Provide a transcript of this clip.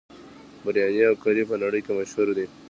بریاني او کري په نړۍ کې مشهور دي.